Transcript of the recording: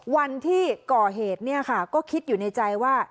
วันที่ก่อเหตุเนี่ยค่ะก็คิดอยู่ในใจว่า